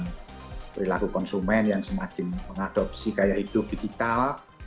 dan perubahan perilaku konsumen yang semakin mengadopsi gaya hidup digital